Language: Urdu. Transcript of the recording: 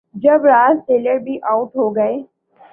جب راس ٹیلر بھی آوٹ ہو گئے۔